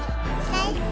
最高！